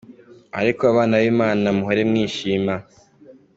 Ariko abana b’ Imana muhore mwishima.